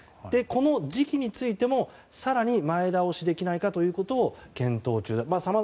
この時期についても更に前倒しできないかということを検討中だということです。